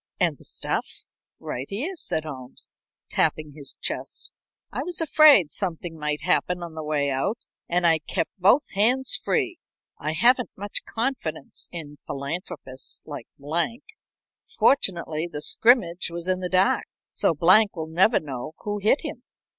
"And the stuff?" "Right here," said Holmes, tapping his chest. "I was afraid something might happen on the way out and I kept both hands free. I haven't much confidence in philanthropists like Blank. Fortunately the scrimmage was in the dark, so Blank will never know who hit him."